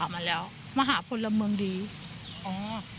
ทำไมคงคืนเขาว่าทำไมคงคืนเขาว่า